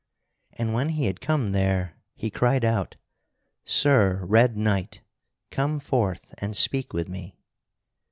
And when he had come there he cried out: "Sir Red Knight, come forth and speak with me."